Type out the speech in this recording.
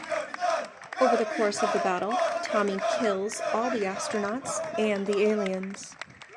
Over the course of the battle, Tommy kills all the astronauts and the aliens.